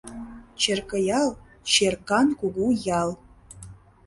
Черкыял — черкан кугу ял.